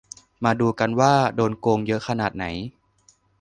มาดูกันว่า โดนโกงเยอะขนาดไหน